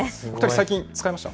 最近使いました？